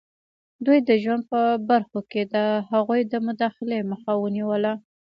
دوی د ژوند په برخو کې د هغوی د مداخلې مخه ونیوله.